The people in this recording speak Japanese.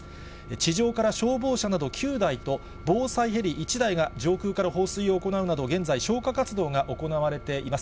地上から消防車など９台と、防災ヘリ１台が上空から放水を行うなど、現在、消火活動が行われています。